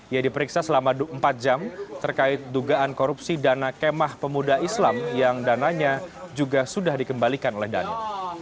ia diperiksa selama empat jam terkait dugaan korupsi dana kemah pemuda islam yang dananya juga sudah dikembalikan oleh daniel